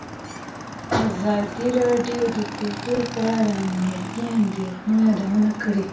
ازادي راډیو د کلتور په اړه د امنیتي اندېښنو یادونه کړې.